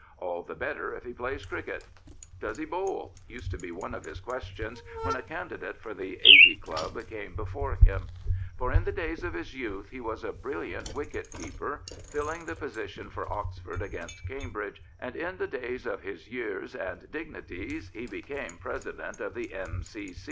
All the better if he plays cricket. '' Does he bowl? '' used to be one of his questions when a candidate for the Eighty Club came before him. For in the days of his youth he was a brilliant wicket keeper, filling the position for Oxford against Cambridge, and in the days of his years and dignities he became Presi dent of the M.